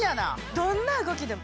どんな動きでも。